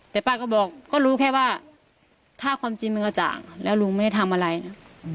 แต่ป้าก็บอกก็รู้แค่ว่าถ้าความจริงมันกระจ่างแล้วลุงไม่ได้ทำอะไรนะ